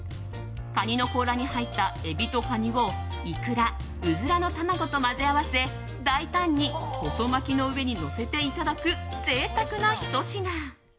カニの甲羅に入ったエビとカニをイクラ、ウズラの卵と混ぜ合わせ大胆に細巻きの上にのせていただく贅沢なひと品。